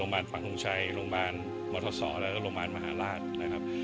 โรงพยาบาลฟังธงชัยโรงพยาบาลมอทศและโรงพยาบาลมหาลาศ